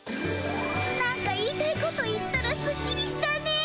なんか言いたいこと言ったらすっきりしたねぇ。